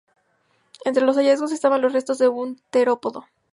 Entre los hallazgos estaban los restos de un terópodo.